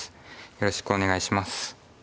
よろしくお願いします。